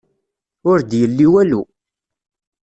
Ur d-yelli walu.